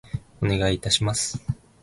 お願い致します。